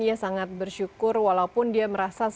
ia sangat bersyukur walaupun dia merasa